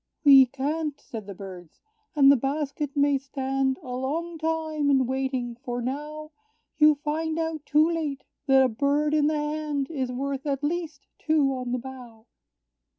"We can't!" said the birds, "and the basket may stand A long time in waiting; for now You find out too late, that a bird in the hand Is worth, at least, two on the bough.